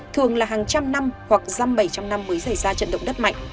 thường là hàng trăm năm hoặc răm bảy trăm năm mới xảy ra trận động đất mạnh